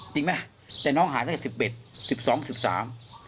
จริงไหมแต่น้องหาตั้งแต่๑๑๑๒๑๓